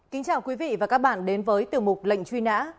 kính chào quý vị và các bạn đến với tiểu mục lệnh truy nã